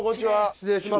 失礼します